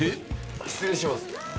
失礼します。